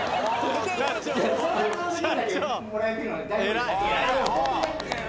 偉い。